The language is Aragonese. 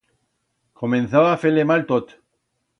Comenzaba a fer-le mal tot.